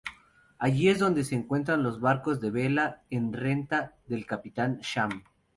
Allí es donde se encuentran los barcos de vela en renta del Capitán Sham.